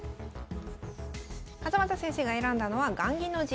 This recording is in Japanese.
勝又先生が選んだのは雁木の陣形。